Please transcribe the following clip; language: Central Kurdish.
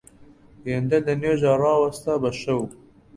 هێندە لە نوێژا ڕاوەستا بە شەو